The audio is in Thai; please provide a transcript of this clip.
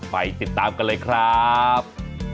ไปติดตามกันเลยครับ